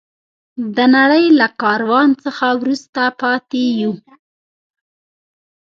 د نړۍ له کاروان څخه وروسته پاتې یو.